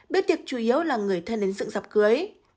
bước tiệc chủ yếu là người thân đến dựng dọc cưới